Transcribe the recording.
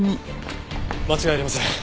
間違いありません。